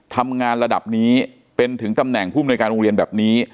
ทำงานระดับนี้เป็นถึงตำแหน่งผู้มนวยการโรงเรียนแบบนี้